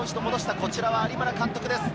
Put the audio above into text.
こちらは有村監督です。